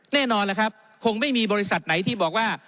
แน่นอนล่ะครับคงไม่มีบริษัทไหนที่บอกว่า